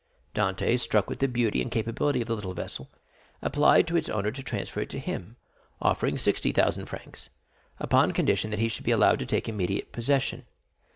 Dantès, struck with the beauty and capability of the little vessel, applied to its owner to transfer it to him, offering sixty thousand francs, upon condition that he should be allowed to take immediate possession.